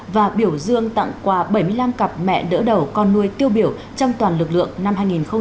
và biểu dương tặng quà bảy mươi năm cặp mẹ đỡ đầu con nuôi tiêu biểu trong toàn lực lượng năm hai nghìn hai mươi